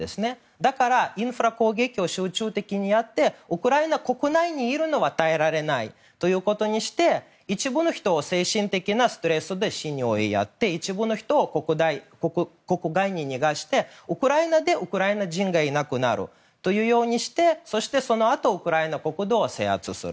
だからインフラ攻撃を集中的にやってウクライナ国内にいるのは耐えられないということにして一部の人を精神的なストレスで死に追いやって一部の人を国外に逃がしてウクライナにウクライナ人がいなくなるというようにしてそのあとウクライナ国土を制圧する。